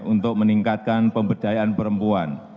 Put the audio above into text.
untuk meningkatkan pemberdayaan perempuan